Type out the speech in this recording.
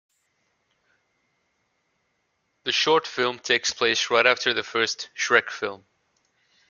The short film takes place right after the first Shrek film.